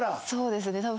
そうですね。